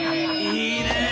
いいねえ。